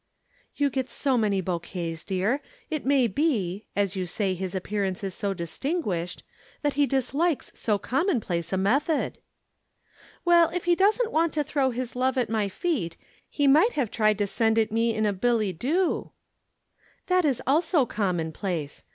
"You get so many bouquets, dear. It may be as you say his appearance is so distinguished that he dislikes so commonplace a method." "Well, if he doesn't want to throw his love at my feet, he might have tried to send it me in a billet doux." "That is also commonplace.